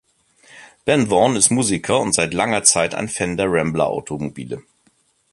Ben Vaughn ist Musiker und seit langer Zeit ein Fan der Rambler-Automobile.